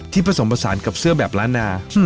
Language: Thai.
ที่ผสมผสานกับเสื้อแบบร้านหน้า